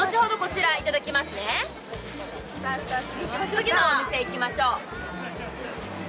次のお店、行きましょう。